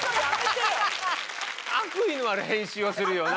悪意のある編集をするよな。